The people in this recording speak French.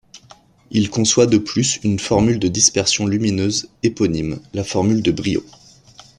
Il conçoit de plus une formule de dispersion lumineuse éponyme, la formule de Briot.